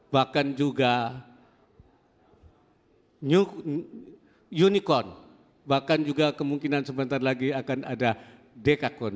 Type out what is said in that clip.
bahkan juga unicorn bahkan juga kemungkinan sebentar lagi akan ada dekacorn